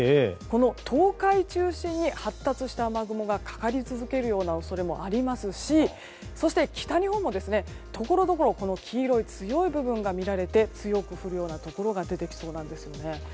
東海を中心に、発達した雨雲がかかり続ける恐れもありますしそして、北日本もところどころ黄色い強い部分が見られ、強く降るようなところが出てきそうなんですよね。